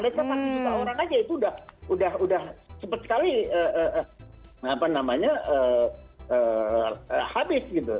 lihat kan satu jutaan orang aja itu udah cepet sekali habis